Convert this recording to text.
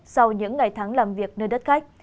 sau những ngày tháng làm việc nơi đất khách